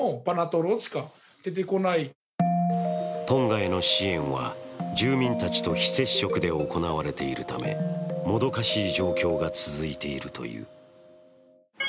トンガへの支援は住民たちと非接触で行われているためもどかしい状況が続いているという。